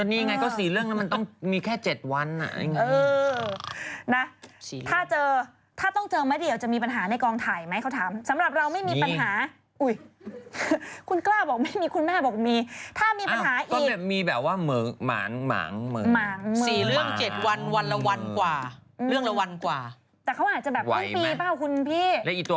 มันคืออะไรใช่ไหมอืมนึกว่ามันมาบ่อยขึ้นแล้วนะ